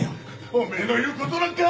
おめえの言う事なんか！